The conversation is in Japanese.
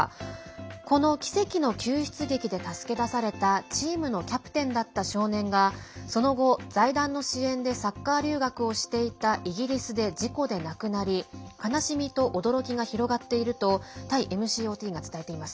この奇跡の救出劇で助け出されたチームのキャプテンだった少年がその後、財団の支援でサッカー留学をしていたイギリスで、事故で亡くなり悲しみと驚きが広がっているとタイＭＣＯＴが伝えています。